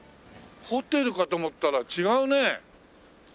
ホテルかと思ったら違うね。